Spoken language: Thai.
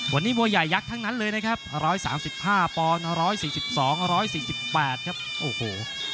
วันนี้มวยใหญ่ยักษ์ทั้งนั้นเลยนะครับ๑๓๕ปอนด์๑๔๒๑๔๘ครับโอ้โห